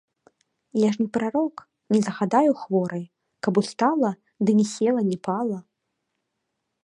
Я ж не прарок, не загадаю хворай, каб устала ды ні села, ні пала.